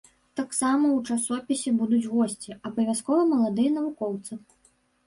Таксама ў часопісе будуць госці, абавязкова маладыя навукоўцы.